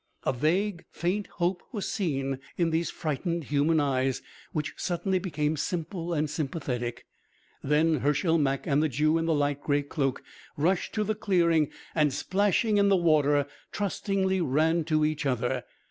A vague, faint hope was seen in these frightened human eyes, which suddenly became simple and sympathetic. Then Hershel Mak and the Jew in the light grey cloak rushed to the clearing and, splashing in the water, trustingly ran to each other.